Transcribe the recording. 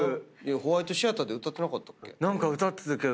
ホワイトシアターで歌ってなかったっけ。